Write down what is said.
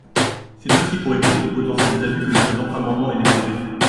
C’est aussi pour éviter de potentiels abus que le présent amendement est déposé.